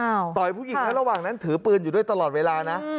ต่อยผู้หญิงแล้วระหว่างนั้นถือปืนอยู่ด้วยตลอดเวลานะ